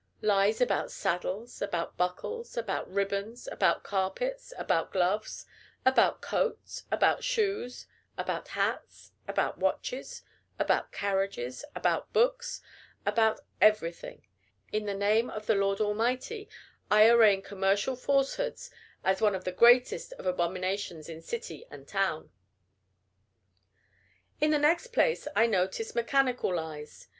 Lies about saddles, about buckles, about ribbons, about carpets, about gloves, about coats, about shoes, about hats, about watches, about carriages, about books, about everything. In the name of the Lord Almighty, I arraign commercial falsehoods as one of the greatest of abominations in city and town. In the next place, I notice mechanical lies.